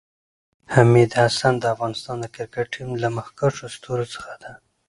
حمید حسن د افغانستان د کريکټ ټیم له مخکښو ستورو څخه ده